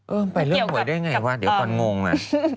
ไปเรื่องหวยได้ไงวะเดี๋ยวตอนงงอ่ะ